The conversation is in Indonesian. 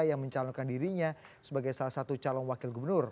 yang mencalonkan dirinya sebagai salah satu calon wakil gubernur